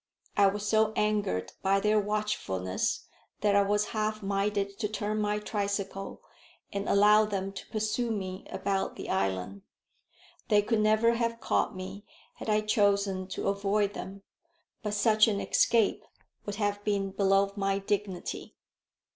I was so angered by their watchfulness, that I was half minded to turn my tricycle, and allow them to pursue me about the island. They could never have caught me had I chosen to avoid them; but such an escape would have been below my dignity.